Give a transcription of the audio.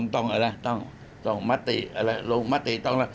ต้องม้าติลงตัวลง